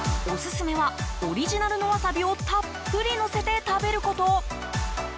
オススメはオリジナルのワサビをたっぷりのせて食べること。